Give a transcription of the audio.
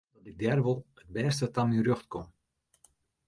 Ik tink dat ik dêr wol it bêste ta myn rjocht kom.